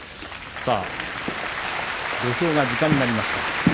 土俵が時間になりました。